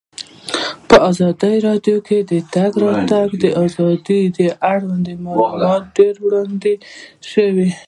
په ازادي راډیو کې د د تګ راتګ ازادي اړوند معلومات ډېر وړاندې شوي.